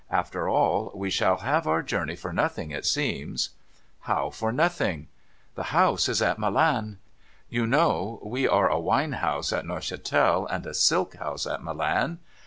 After all, we shall have our journey for nothing, it seems.' * How for nothing ?'' The House is at Milan. You know, we are a Wine House at Neuchatel, and a Silk House at Milan